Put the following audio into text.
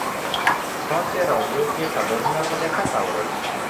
تاسې راډیو کې خبرونه په دقت اورئ